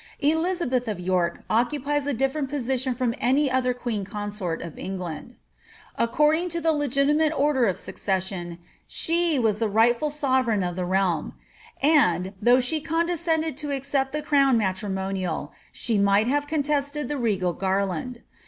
Elizabeth of York occupies a different position from any other queen consort of England. According to the legitimate order of succession, she was the rightful sovereign of the realm ; and, though she condescended to accept the crown matrimonial, she might have contested the regal garland.